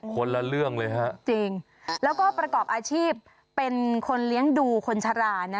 คนละเรื่องเลยฮะจริงแล้วก็ประกอบอาชีพเป็นคนเลี้ยงดูคนชรานะ